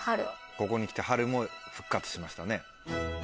ここにきて「春」も復活しましたね。